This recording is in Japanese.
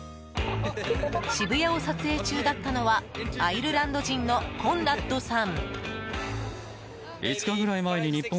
渋谷を撮影中だったのはアイルランド人のコンラッドさん。